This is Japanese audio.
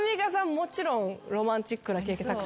もちろんロマンチックな経験たくさん。